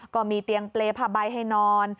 ก็มีเตียงเปรย์ผ้าใบให้นอน